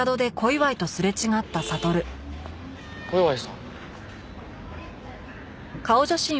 小祝さん？